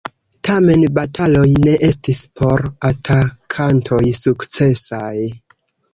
Tamen bataloj ne estis por atakantoj sukcesaj.